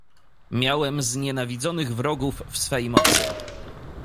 "Miałem znienawidzonych wrogów w swej mocy."